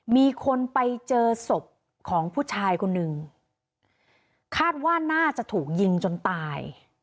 มีคนไปเจอศพของผู้ชายคนหนึ่งคาดว่าน่าจะถูกยิงจนตาย